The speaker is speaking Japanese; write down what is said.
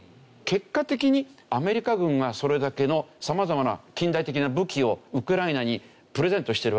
結果的にアメリカ軍はそれだけの様々な近代的な武器をウクライナにプレゼントしてるわけでしょ？